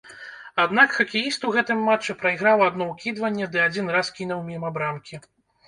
Аднак хакеіст у гэтым матчы прайграў адно ўкідванне ды адзін раз кінуў міма брамкі.